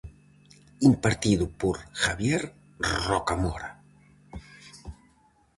Impartido por Javier Rocamora.